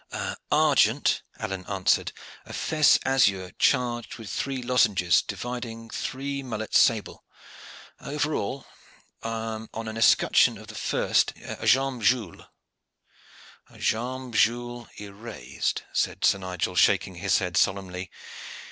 "Argent," Alleyne answered, "a fess azure charged with three lozenges dividing three mullets sable. Over all, on an escutcheon of the first, a jambe gules." "A jambe gules erased," said Sir Nigel, shaking his head solemnly.